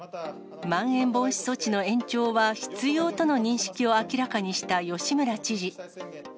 まん延防止措置の延長は必要との認識を明らかにした吉村知事。